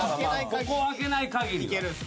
ここを開けないかぎりは。